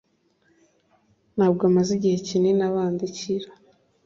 ntabwo amaze igihe kinini abandikira